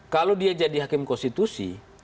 kalau dia jadi hakim konstitusi